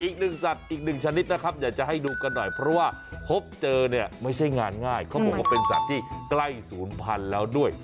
อีกหนึ่งสัตว์อีกหนึ่งชนิดนะครับอยากจะให้ดูกันหน่อยเพราะว่าพบเจอเนี่ยไม่ใช่งานง่ายเขาบอกว่าเป็นสัตว์ที่ใกล้ศูนย์พันธุ์แล้วด้วย